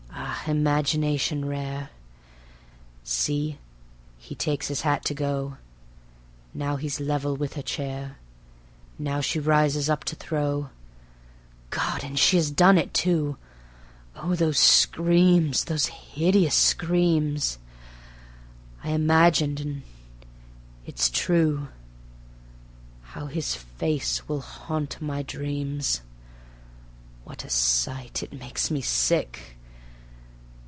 (Ah! Imagination rare) See ... he takes his hat to go; Now he's level with her chair; Now she rises up to throw. ... God! and she has done it too ... Oh, those screams; those hideous screams! I imagined and ... it's true: How his face will haunt my dreams! What a sight! It makes me sick.